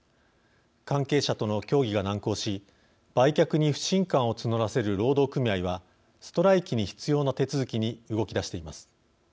関係者との協議が難航し売却に不信感を募らせる労働組合はストライキに必要な手続きに動き出しています。